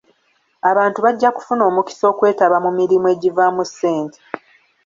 Abantu bajja kufuna omukisa okwetaba mu mirimu egivaamu ssente.